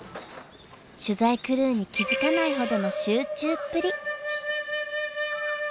取材クルーに気付かないほどの集中っぷり。